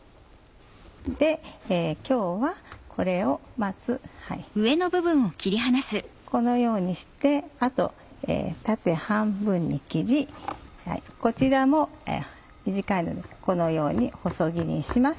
今日はこれをまずこのようにしてあと縦半分に切りこちらも短いのでこのように細切りにします。